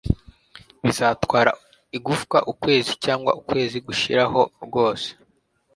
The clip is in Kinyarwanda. bizatwara igufwa ukwezi cyangwa ukwezi gushiraho rwose